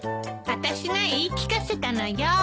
あたしが言い聞かせたのよ。